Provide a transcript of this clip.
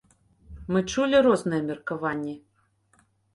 Мы чулі розныя меркаванні.